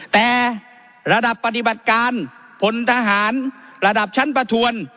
แต่ระดับปฏิบัติการพลทหารระดับชั้นประทวน